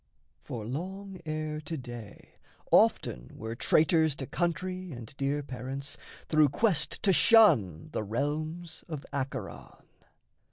For long ere to day Often were traitors to country and dear parents Through quest to shun the realms of Acheron.